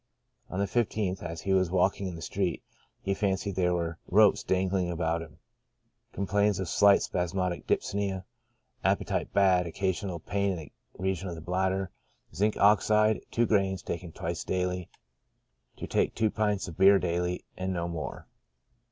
On the 15th, as he was walk ing in the street, he fancied there were ropes dangling about him ; complains of slight spasmodic dyspnoea. Appetite bad, occasional pain in the region of the bladder. Zinc. Ox., gr.ij, bis die. To take two pints of beer daily, and no more.